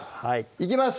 いきます！